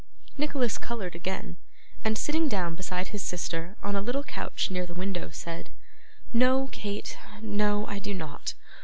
Nicholas coloured again, and, sitting down beside his sister on a little couch near the window, said: 'No, Kate, no, I do not.